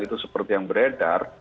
itu seperti yang beredar